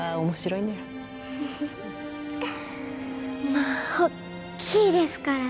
まあ大きいですからね。